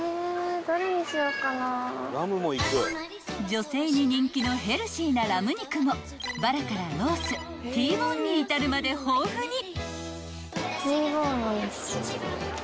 ［女性に人気のヘルシーなラム肉もバラからロースＴボーンに至るまで豊富に］